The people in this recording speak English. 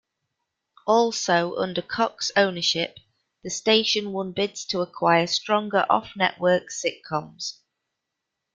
Also under Cox ownership, the station won bids to acquire stronger off-network sitcoms.